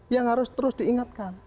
yang harus terus diingatkan